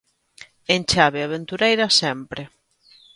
En chave aventureira sempre.